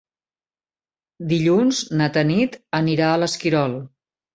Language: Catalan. Dilluns na Tanit anirà a l'Esquirol.